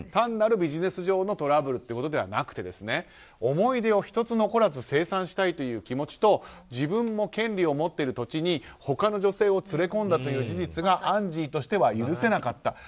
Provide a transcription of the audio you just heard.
単なるビジネス上のトラブルということではなくて思い出を１つ残らず清算したいという気持ちと自分も権利を持っている土地に他の女性を連れ込んだという事実がアンジーとしては許せなかった。